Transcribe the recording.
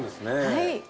はい。